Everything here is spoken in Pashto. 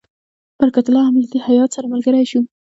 برکت الله هم له دې هیات سره ملګری شو.